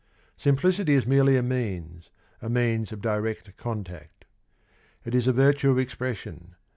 ... Simplicity is merely a means, a means of direct contact. It is a virtue of expression.